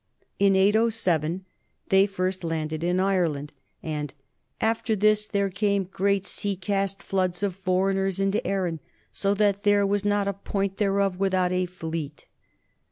In 807 they first landed in Ireland, and "after this there came great sea cast floods of foreigners into Erin, so that there was not a point thereof without a fleet."